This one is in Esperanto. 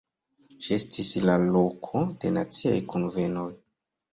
Ĝi estis la loko de naciaj kunvenoj.